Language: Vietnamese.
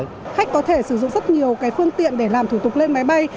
khách có thể sử dụng rất nhiều cái phương tiện để làm thủ tục lên máy bay